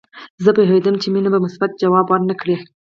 زه پوهېدم چې مينه به مثبت ځواب ورنه کړي